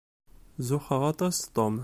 Zuxxeɣ aṭas s Tom.